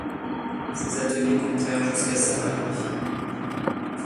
Ces ateliers comptèrent jusqu'à salariés.